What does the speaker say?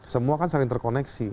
semua kan saling terkoneksi